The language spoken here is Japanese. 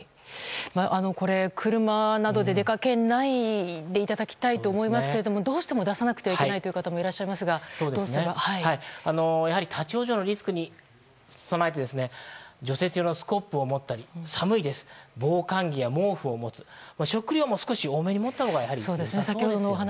これ、車などで出かけないでいただきたいと思いますがどうしても出さなくてはいけない方もいらっしゃいますが立ち往生のリスクに備えて除雪用のスコップを持ったり寒いですので防寒着や毛布を持つ食料も少し多めに持ったほうがいいですね。